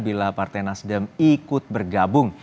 dan partai nasdem ikut bergabung